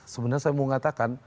sebenarnya saya mau ngatakan